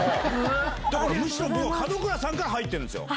だからむしろ、門倉さんから入ってるんですよ。